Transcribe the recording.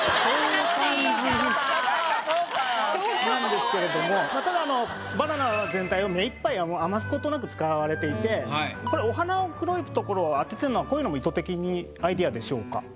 なんですけれどもただあのバナナ全体を目いっぱい余すことなく使われていてこれお鼻を黒い所を当ててるのはこういうのも意図的にアイディアでしょうか？